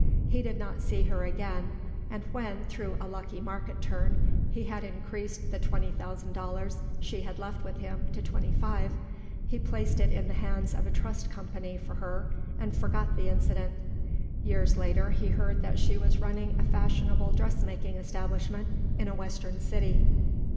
He did not see her again and when, through a lucky market turn, he had increased the twenty thousand dollars she had left with him to twenty five, he placed it in the hands of a trust company for her and forgot the incident. Years later he heard that she was running a fashionable dressmaking establishment in a western city.